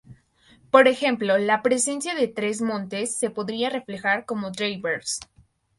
Por ejemplo, la presencia de tres montes se podría reflejar como Drei-Berg-s.